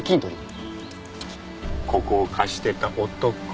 ここを貸してた男。